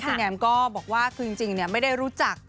แนมก็บอกว่าคือจริงไม่ได้รู้จัก